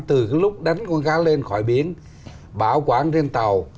từ lúc đánh con cá lên khỏi biển bảo quản trên tàu